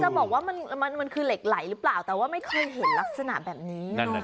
จะบอกว่ามันคือเหล็กไหลหรือเปล่าแต่ว่าไม่เคยเห็นลักษณะแบบนี้